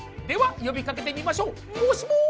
では呼びかけてみましょう。